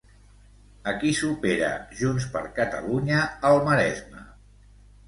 A qui supera Junts per Catalunya al Maresme?